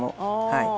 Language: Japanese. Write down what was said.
はい。